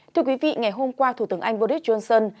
thưa quý vị ngày hôm qua thủ tướng anh boris johnson